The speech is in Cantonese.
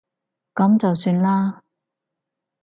噉就算啦